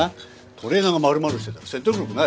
トレーナーが丸々してたら説得力ないぞ。